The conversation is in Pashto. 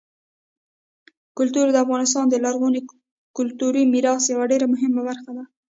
کلتور د افغانستان د لرغوني کلتوري میراث یوه ډېره مهمه برخه ده.